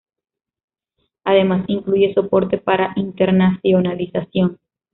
Además, incluye soporte para internacionalización.